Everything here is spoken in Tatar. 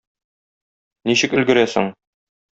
Ничек өлгерәсең?